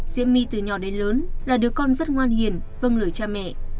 diễm my từ nhỏ đến lớn là đứa con rất ngoan hiền vâng lời cha mẹ